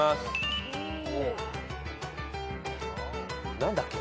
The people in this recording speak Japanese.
何だっけ？